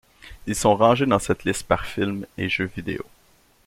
Ils sont rangés dans cette liste par films et jeux vidéo.